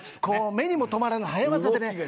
こう目にも留まらぬ早業でね